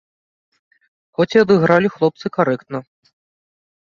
Хоць і адыгралі хлопцы карэктна.